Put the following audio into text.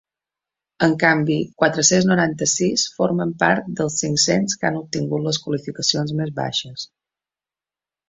En canvi, quatre-cents noranta-sis formen part dels cinc-cents que han obtingut les qualificacions més baixes.